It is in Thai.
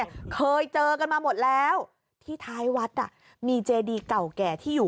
ทางผู้ชมพอเห็นแบบนี้นะทางผู้ชมพอเห็นแบบนี้นะ